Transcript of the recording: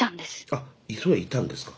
あっそれはいたんですか。